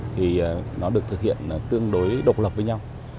thì nó được thực hiện tương đối độc lập với nhau